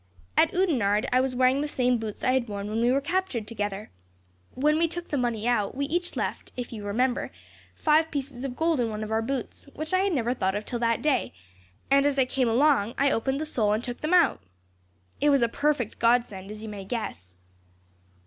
At Oudenarde, I was wearing the same boots I had worn when we were captured together. When we took the money out, we each left, if you remember, five pieces of gold in one of our boots, which I had never thought of till that day; and, as I came along, I opened the sole and took them out. It was a perfect godsend, as you may guess.